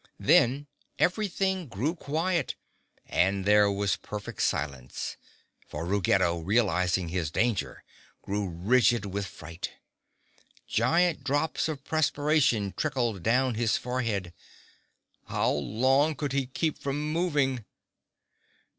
Then everything grew quiet and there was perfect silence; for Ruggedo, realizing his danger, grew rigid with fright. Giant drops of perspiration trickled down his forehead. How long could he keep from moving?